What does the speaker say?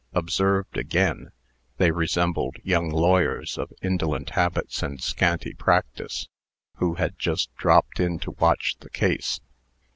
Observed again, they resembled young lawyers of indolent habits and scanty practice, who had just dropped in to watch the case.